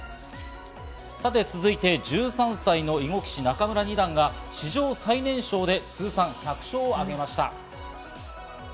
続いて１３歳の囲碁棋士・仲邑二段が史上最年少で通算１００勝を挙げました。